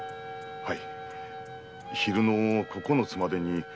はい。